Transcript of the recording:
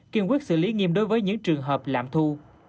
kiên quyết xử lý nghiêm đối với những trường hợp lạm thu